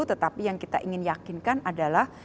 tetapi yang kita ingin yakinkan adalah